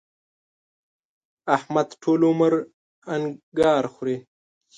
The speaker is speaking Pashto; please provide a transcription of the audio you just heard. احمد ټول عمر انګار خوري.